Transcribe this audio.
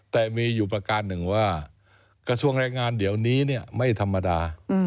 แต่มีอยู่ประการหนึ่งว่ากระทรวงแรงงานเดี๋ยวนี้ไม่ธรรมดา